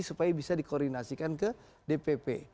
supaya bisa dikoordinasikan ke dpp